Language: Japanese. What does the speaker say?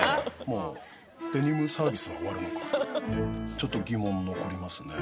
ちょっと疑問残りますね。